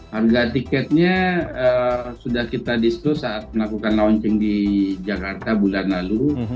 harga tiketnya sudah kita diskuse saat melakukan launching di jakarta bulan lalu